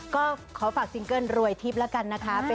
ก็ขอฝากซิงเกิ้ลรวยทิพย์แล้วกันนะคะ